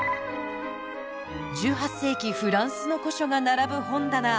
１８世紀フランスの古書が並ぶ本棚。